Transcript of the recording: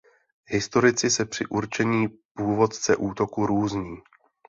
Historici se při určení původce útoku různí.